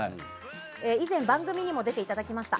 以前番組にも出ていただきました。